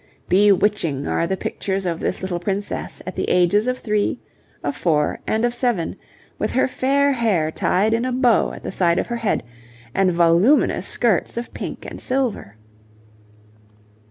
Bewitching are the pictures of this little princess at the ages of three, of four, and of seven, with her fair hair tied in a bow at the side of her head, and voluminous skirts of pink and silver.